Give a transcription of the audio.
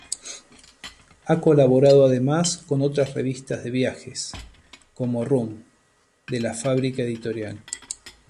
Ha colaborado además con otras revistas de viajes, como "Room", de La Fábrica Editorial.